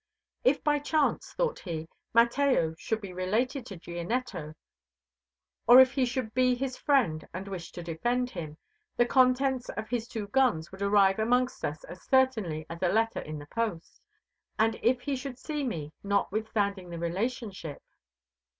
"If by chance," thought he, "Mateo should be related to Gianetto, or if he should be his friend and wish to defend him, the contents of his two guns would arrive amongst us as certainly as a letter in the post; and if he should see me, notwithstanding the relationship!"